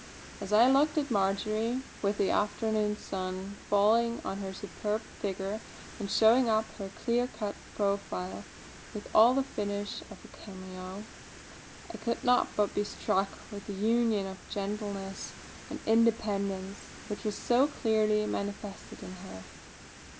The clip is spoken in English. As I looked at Marjory, with the afternoon sun falling on her superb figure and showing up her clear cut profile with all the finish of a cameo, I could not but be struck with the union of gentleness and independence which was so clearly manifested in her.